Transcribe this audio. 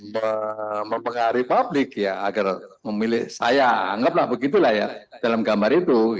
mempengaruhi publik ya agar memilih saya anggaplah begitulah ya dalam gambar itu